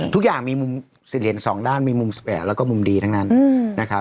ทุกอย่างมีมุมเหลียนสองด้านมีมุมแสบแหละก็มุมดีทั้งนั้นอืม